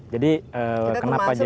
jadi kenapa jadi